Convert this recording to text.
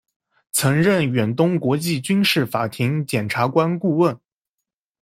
曾任远东国际军事法庭检察官顾问。